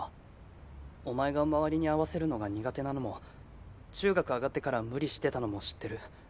お前が周りに合わせるのが苦手なのも中学上がってから無理してたのも知ってる。